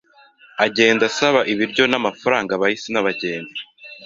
agenda asaba ibiryo n’ amafaranga abahisi n’abagenzi